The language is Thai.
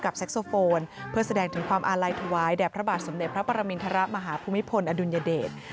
เซ็กโซโฟนเพื่อแสดงถึงความอาลัยถวายแด่พระบาทสมเด็จพระปรมินทรมาฮภูมิพลอดุลยเดช